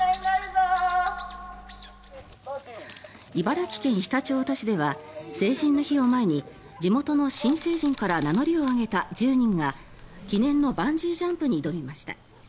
茨城県常陸太田市では成人の日を前に地元の新成人から名乗りを上げた１０人が記念のバンジージャンプに挑みました。